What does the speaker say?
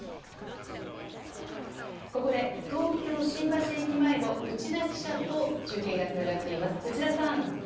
ここで東京・新橋駅前のウチダ記者と中継がつながっています。